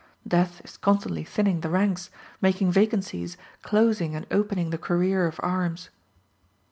Death is constantly thinning the ranks, making vacancies, closing and opening the career of arms.